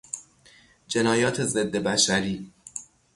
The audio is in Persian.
جنایات ضد بشری